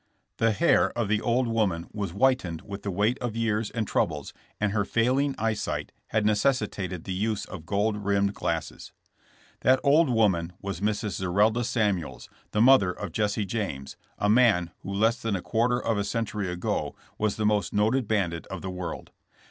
The hair of the old woman was whitened with the weight of years and troubles and her failing eyesight had necessitated the use of gold rimmed glasses. That old woman was Mrs. Zerelda Samuels, the mother of Jesse James, a man who less than a quar ter of a century ago was the most noted bandit of the world.